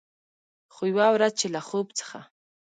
خو، یوه ورځ چې له خوب څخه